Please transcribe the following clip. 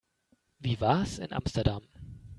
Wie war's in Amsterdam?